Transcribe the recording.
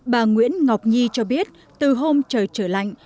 bà nguyễn ngọc nhi cho biết từ hôm trời trở lạnh